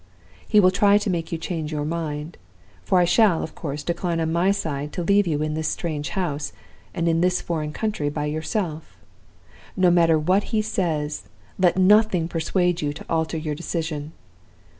He will try to make you change your mind; for I shall, of course, decline, on my side, to leave you in this strange house, and in this foreign country, by yourself. No matter what he says, let nothing persuade you to alter your decision.